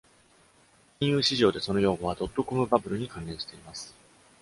金融市場でその用語はドットコムバブルに関連しています。